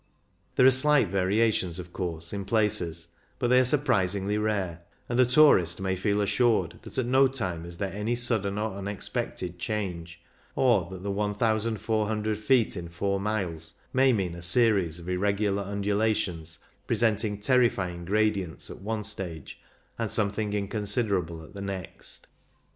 There are slight variations, of course, in places, but they are surprisingly rare, and the tourist may feel assured that at no time is there any sudden or unexpected change, or that the 1,400 feet in 4 miles may mean a series of irregular undulations presenting terrifying gradients at one stage and some thing inconsiderable at the next.